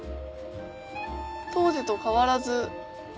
当時と変わらず。